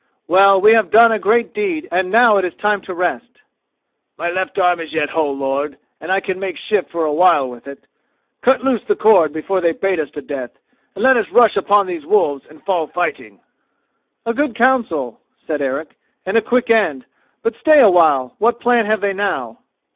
Well, we have done a great deed and now it is time to rest." "My left arm is yet whole, lord, and I can make shift for a while with it. Cut loose the cord before they bait us to death, and let us rush upon these wolves and fall fighting." "A good counsel," said Eric, "and a quick end; but stay a while: what plan have they now?"